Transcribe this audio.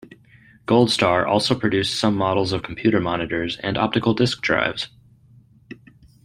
GoldStar also produced some models of computer monitors and optical disc drives.